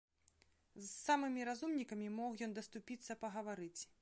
З самымі разумнікамі мог ён даступіцца пагаварыць.